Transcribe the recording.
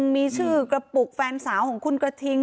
มีชื่อกระปุกแฟนสาวของคุณกระทิง